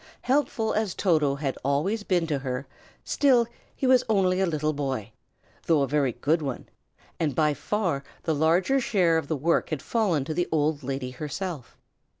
Helpful as Toto had always been to her, still, he was only a little boy, though a very good one; and by far the larger share of work had fallen to the old lady herself.